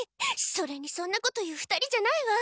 それにそんなこと言う２人じゃないわ。